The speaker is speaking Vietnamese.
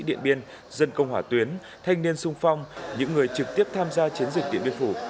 điện biên dân công hỏa tuyến thanh niên sung phong những người trực tiếp tham gia chiến dịch điện biên phủ